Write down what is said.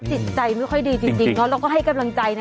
จิตใจไม่ค่อยดีจริงเนาะเราก็ให้กำลังใจนะ